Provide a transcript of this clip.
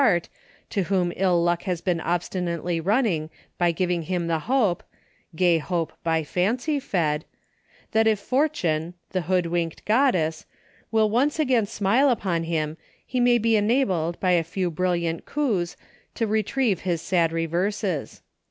61 heart, to whom ill luck has been obstinately running, by giving him the hope —" gay hope by fancy fed" — that if fortune —" the hood ' wink'd goddess"— will once again smile upon him he may be enabled, by a few brilliant coups, to retrieve his sad reverses.